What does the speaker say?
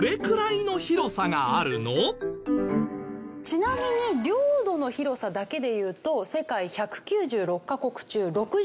ちなみに領土の広さだけでいうと世界１９６カ国中６１番目です。